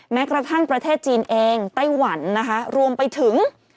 แม้กระทั่งประเทศจีนเองไต้หวันนะคะรวมไปถึง